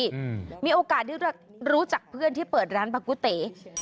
อืมมีโอกาสที่จะรู้จักเพื่อนที่เปิดร้านปลากุเต